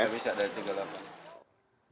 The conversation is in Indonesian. nggak bisa dari sini